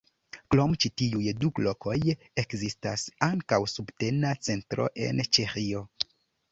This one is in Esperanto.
Krom ĉi tiuj du lokoj, ekzistas ankaŭ subtena centro en Ĉeĥio.